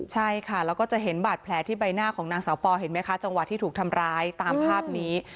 ใช่ค่ะแล้วก็จะเห็นบาดแผลที่ใบหน้าของนางสาวปอเห็นไหมคะจังหวะที่ถูกทำร้ายตามภาพนี้